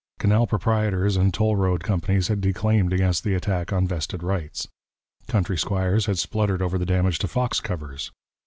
Canal proprietors and toll road companies had declaimed against the attack on vested rights. Country squires had spluttered over the damage to fox covers.